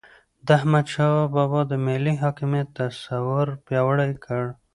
د احمد شاه بابا د ملي حاکمیت تصور پیاوړی کړ.